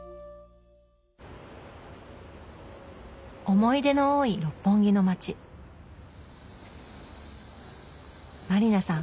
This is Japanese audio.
思い出の多い六本木の街満里奈さん